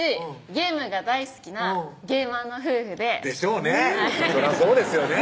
ゲームが大好きなゲーマーの夫婦ででしょうねそらそうですよね